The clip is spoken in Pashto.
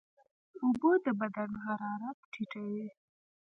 اوبه د بدن حرارت ټیټوي.